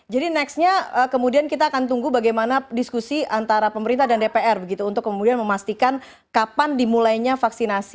jadi nextnya kemudian kita akan tunggu bagaimana diskusi antara pemerintah dan dpr begitu untuk kemudian memastikan kapan dimulainya vaksinnya